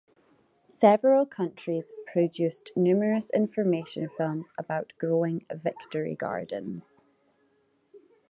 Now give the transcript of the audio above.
Several countries produced numerous information films about growing victory gardens.